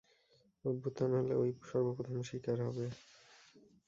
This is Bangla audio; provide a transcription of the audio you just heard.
অভ্যুত্থান হলে অই সর্বপ্রথম শিকার হবে।